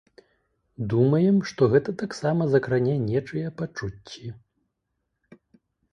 Думаем, што гэта таксама закране нечыя пачуцці.